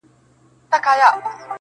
دا ملنګ سړی چي نن خویونه د باچا کوي-